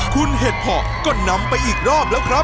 คุณเห็ดเพาะก็นำไปอีกรอบแล้วครับ